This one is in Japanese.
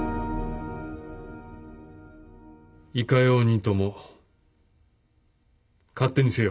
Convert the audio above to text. いかようにとも勝手にせよ。